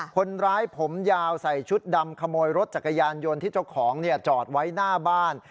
คนร้ายผมยาวใส่ชุดดำขโมยรถจักรยานยนต์ที่เจ้าของจอดไว้หน้าบ้าน